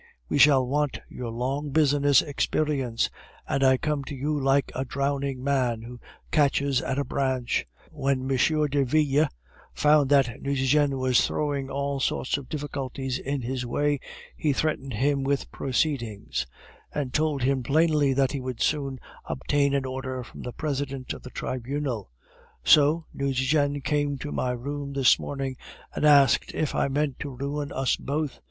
We shall want your long business experience; and I come to you like a drowning man who catches at a branch. When M. Derville found that Nucingen was throwing all sorts of difficulties in his way, he threatened him with proceedings, and told him plainly that he would soon obtain an order from the President of the Tribunal. So Nucingen came to my room this morning, and asked if I meant to ruin us both.